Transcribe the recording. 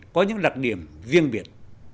có những đặc điểm riêng biệt